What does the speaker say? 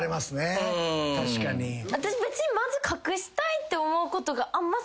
私別にまず隠したいって思うことがあんま